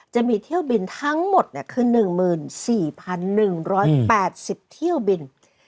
จะมีเที่ยวบินทั้งหมดคือ๑๔๑๘๐เที่ยวบิน